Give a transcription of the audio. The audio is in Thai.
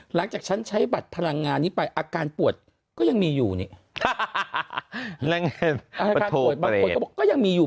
หลังจากฉันใช้บัตรพลังงานนี้ไปอาการปวดก็ยังมีอยู่นี่ก็ยังมีอยู่